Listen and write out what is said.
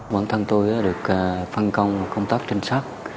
bản thân tôi được phân công công tác trinh sát